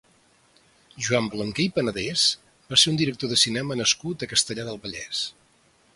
Joan Blanquer i Panadès va ser un director de cinema nascut a Castellar del Vallès.